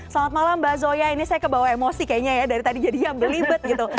selamat malam mbak zoya ini saya kebawa emosi kayaknya ya dari tadi jadi yang belibet gitu